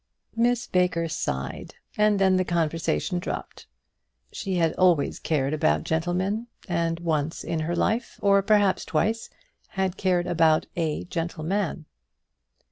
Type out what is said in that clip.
Miss Baker sighed, and then the conversation dropped. She had always cared about gentlemen, and once in her life, or perhaps twice, had cared about a gentleman.